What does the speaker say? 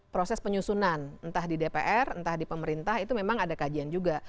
proses penyusunan entah di dpr entah di pemerintah itu memang ada kajian juga